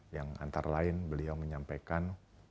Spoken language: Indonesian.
yang antara lain beliau menyampaikan